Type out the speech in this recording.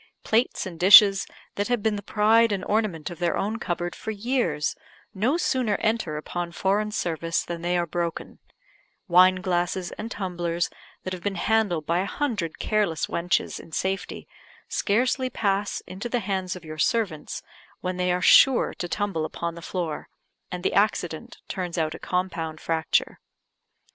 Plates and dishes, that had been the pride and ornament of their own cupboard for years, no sooner enter upon foreign service than they are broken; wine glasses and tumblers, that have been handled by a hundred careless wenches in safety, scarcely pass into the hands of your servants when they are sure to tumble upon the floor, and the accident turns out a compound fracture.